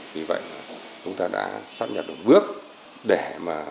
vì vậy chúng ta đã sắp nhập được bước để hoàn thiện mạng giới cơ sở dùng nghiệp